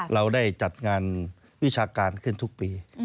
เราได้จัดงานวิชาการขึ้นทุกปี